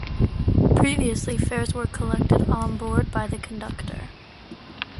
Previously, fares were collected on board by the conductor.